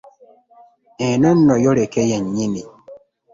Eno nno yoleke yennyini.